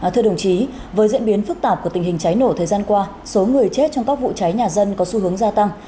thưa đồng chí với diễn biến phức tạp của tình hình cháy nổ thời gian qua số người chết trong các vụ cháy nhà dân có xu hướng gia tăng